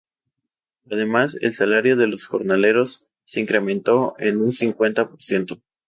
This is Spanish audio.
Además el salario de los jornaleros se incrementó en un cincuenta por ciento.